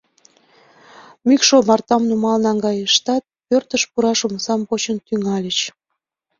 Мӱкш омартам нумал наҥгайыштат, пӧртыш пураш омсам почаш тӱҥальыч.